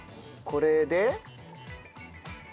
これで。